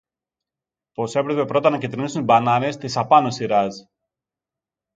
πως έπρεπε πρώτα να κιτρινίσουν οι μπανάνες της απάνω σειράς